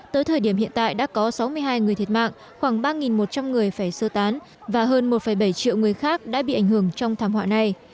tới thời điểm hiện tại đã có sáu mươi hai người thiệt mạng khoảng ba một trăm linh người phải sơ tán và hơn một bảy triệu người khác đã bị ảnh hưởng trong thảm họa này